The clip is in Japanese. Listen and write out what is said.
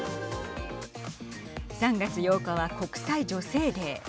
３月８日は国際女性デー。